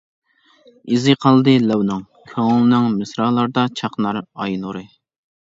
ئىزى قالدى لەۋنىڭ. كۆڭۈلنىڭ مىسرالاردا چاقنار ئاي نۇرى.